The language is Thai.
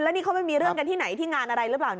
นี่เขาไม่มีเรื่องกันที่ไหนที่งานอะไรหรือเปล่า